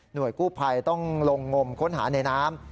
โดยกู้ภัยต้องลงงมค้นหาในน้ำ